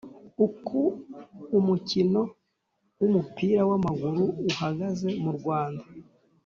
Uko umukino wumupira wamaguru uhagaze mu Rwanda.